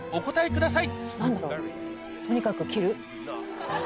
ください